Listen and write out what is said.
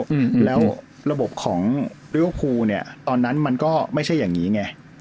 อืมอืมแล้วระบบของเนี้ยตอนนั้นมันก็ไม่ใช่อย่างงี้ไง